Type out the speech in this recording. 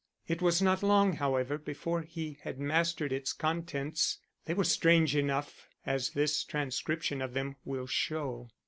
It was not long, however, before he had mastered its contents. They were strange enough, as this transcription of them will show.